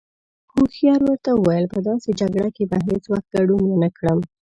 هوښيار ورته وويل: په داسې جگړه کې به هیڅ وخت گډون ونکړم.